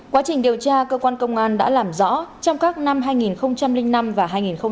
quá trình điều tra cơ quan công an đã làm rõ trong các năm hai nghìn năm và hai nghìn một mươi ba